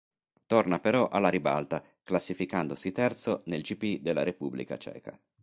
Torna però alla ribalta classificandosi terzo nel gp della Repubblica Ceca.